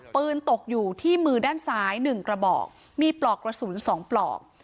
ปืนตกอยู่ที่มือด้านซ้าย๑กระบอกมีปลอกกระสุน๒ปลอก